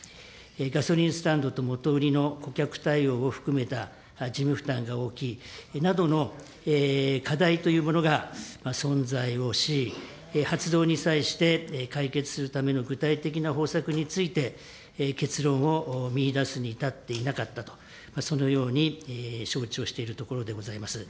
ガソリンスタンドと元売りの顧客対応を含めた事務負担が大きいなどの課題というものが存在をし、発動に際して解決するための具体的な方策について、結論を見いだすに至っていなかったと、そのように承知をしておるところでございます。